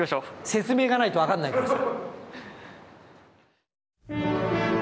説明がないと分かんないからさ。